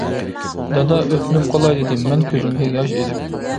-دادا ئۆتۈنۈپ قالاي-دېدىم مەن كۆزۈمگە ياش ئېلىپ.